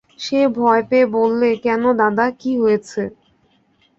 সে ভয় পেয়ে বললে, কেন দাদা, কী হয়েছে?